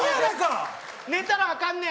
寝たらあかんねん。